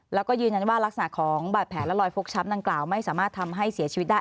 แล้วก็ยืนยันว่ารักษณะของบาดแผลและรอยฟกช้ำดังกล่าวไม่สามารถทำให้เสียชีวิตได้